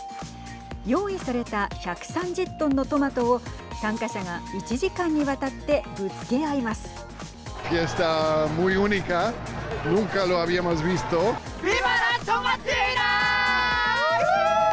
用意された１３０トンのトマトを参加者が１時間にわたってぶつけ合います。